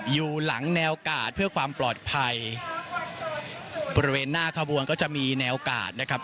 อยู่หลังแนวกาดเพื่อความปลอดภัยบริเวณหน้าขบวนก็จะมีแนวกาดนะครับ